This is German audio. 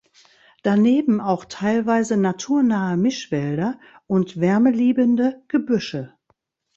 Daneben auch teilweise naturnahe Mischwälder und wärmeliebende Gebüsche.